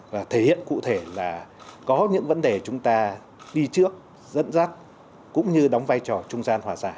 và thể hiện cụ thể là có những vấn đề chúng ta đi trước dẫn dắt cũng như đóng vai trò trung gian hòa giải